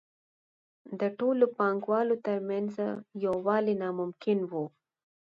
د ټولو پانګوالو ترمنځ یووالی ناممکن وو